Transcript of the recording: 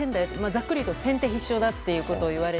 ざっくりいうと先手必勝っていうことで。